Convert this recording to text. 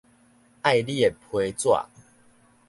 愛你的批紙